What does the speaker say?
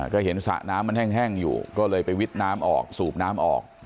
ก็เห็นสระน้ำมันแห้งอยู่ก็เลยไปวิดน้ำออกสูบน้ำออก